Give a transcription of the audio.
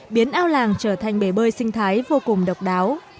biến ao làng trở thành bể bơi sinh thái vô cùng độc đáo